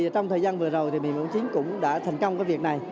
trong thời gian vừa rồi thì bệnh viện mộng chính cũng đã thành công cái việc này